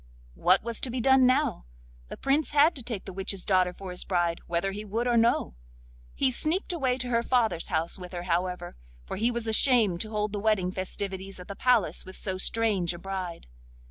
What was to be done now? The Prince had to take the witch's daughter for his bride whether he would or no; he sneaked away to her father's house with her, however, for he was ashamed to hold the wedding festivities at the palace with so strange a bride.